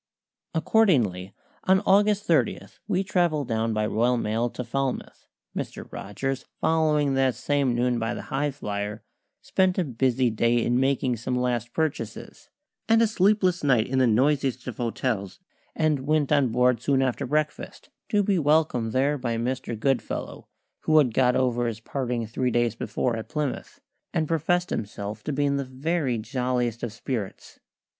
Accordingly, on August 30 we travelled down by Royal Mail to Falmouth, Mr. Rogers following that same noon by the Highflyer; spent a busy day in making some last purchases, and a sleepless night in the noisiest of hotels; and went on board soon after breakfast, to be welcomed there by Mr. Goodfellow, who had got over his parting three days before, at Plymouth, and professed himself to be in the very jolliest of spirits.